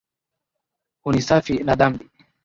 Hunisafi na dhambi.